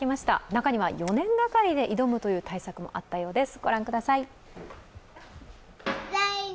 中には４年がかりで挑む大作もあったようです。